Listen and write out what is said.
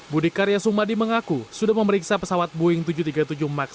budi karya sumadi mengaku sudah memeriksa pesawat boeing tujuh ratus tiga puluh tujuh max